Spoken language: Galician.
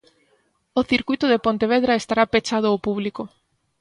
O circuíto de Pontevedra estará pechado ó publico.